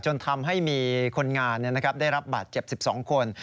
จนทำให้มีคนงานได้รับบาดเจ็บ๑๒คน